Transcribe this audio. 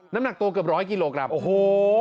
น้ำหนักโตเกือบ๑๐๐กิโลกรัมโอ้โฮ